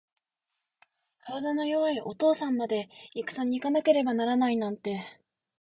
体の弱いお父さんまで、いくさに行かなければならないなんて。